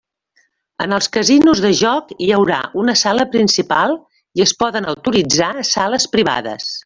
En els casinos de joc hi haurà una sala principal i es poden autoritzar sales privades.